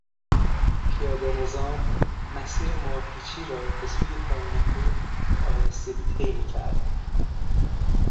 پیادهنظام مسیر مارپیچی را به سوی پایین کوه به آهستگی طی میکرد.